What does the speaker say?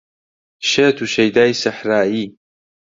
شێت و شەیدای سەحرایی